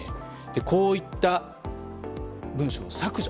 こういった文書の削除。